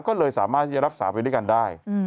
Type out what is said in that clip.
ก็เลยสามารถที่จะรักษาไปด้วยกันได้